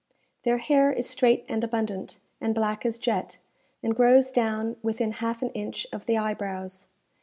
Their hair is straight and abundant, and black as jet, and grows down within half an inch of the eyebrows.